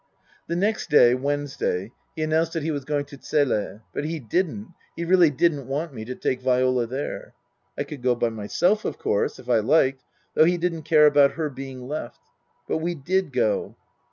The next day (Wednesday) he announced that he was going to Zele ; but he didn't, he really didn't want me to take Viola there. I could go by myself, of course, if I liked, though he didn't care about her being left. But we did go.